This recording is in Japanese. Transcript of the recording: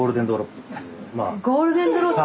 ゴールデンドロップ？